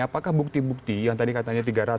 apakah bukti bukti yang tadi katanya tiga ratus